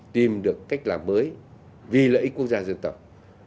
tìm được cách làm mới vì lợi ích quốc gia dân tộc